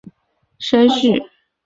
王士禛甥婿。